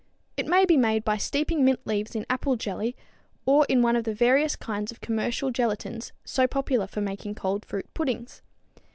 It may be made by steeping mint leaves in apple jelly or in one of the various kinds of commercial gelatins so popular for making cold fruit puddings.